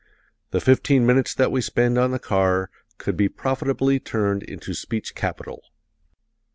The fifteen minutes that we spend on the car could be profitably turned into speech capital.